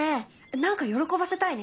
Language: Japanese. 何か喜ばせたいね。